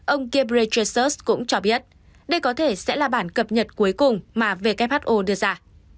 ông ghebreyesus cũng cho biết đây có thể sẽ là bản cập nhật cuối cùng mà who đưa ra